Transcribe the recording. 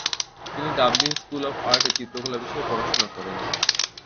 তিনি Dublin school of আর্টে চিত্রকলা বিষয়ে পড়াশোনা করেন।